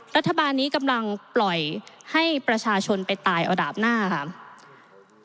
รัฐบาลนี้กำลังปล่อยให้ประชาชนไปตายเอาดาบหน้าค่ะ